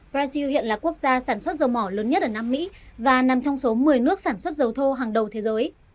brazil hiện là quốc gia sản xuất dầu mỏ lớn nhất ở nam mỹ và nằm trong số một mươi nước sản xuất dầu thô hàng đầu thế giới